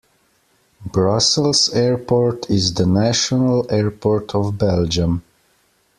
Brussels Airport is the national airport of Belgium.